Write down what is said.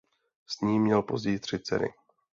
S ní měl později tři dcery.